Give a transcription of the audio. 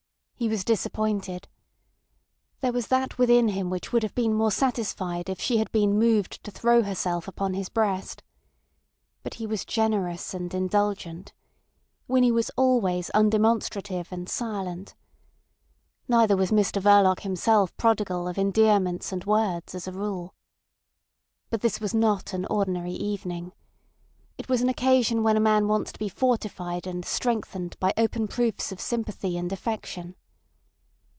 He was disappointed. There was that within him which would have been more satisfied if she had been moved to throw herself upon his breast. But he was generous and indulgent. Winnie was always undemonstrative and silent. Neither was Mr Verloc himself prodigal of endearments and words as a rule. But this was not an ordinary evening. It was an occasion when a man wants to be fortified and strengthened by open proofs of sympathy and affection.